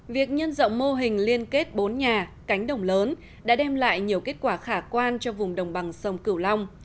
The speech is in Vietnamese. việc nhân rộng mô hình liên kết bốn nhà cánh đồng lớn đã đem lại nhiều kết quả khả quan cho vùng đồng bằng sông cửu long